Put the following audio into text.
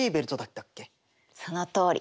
そのとおり。